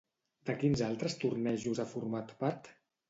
De quins altres tornejos ha format part?